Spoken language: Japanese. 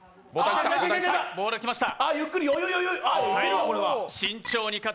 ボールがきました。